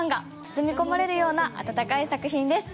包み込まれるような温かい作品です。